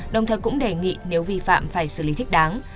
đồng thời cũng đề nghị nếu vi phạm phải xử lý thích đáng